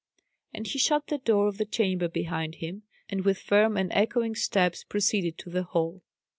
And he shut the door of the chamber behind him, and with firm and echoing steps proceeded to the hall.